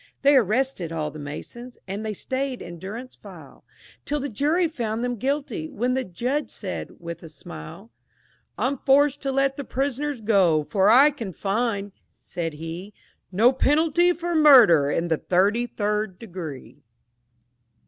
They arrested all the Masons, and they stayed in durance vile Till the jury found them guilty, when the Judge said, with a smile, "I'm forced to let the prisoners go, for I can find," said he, "No penalty for murder in the thirty third degree!"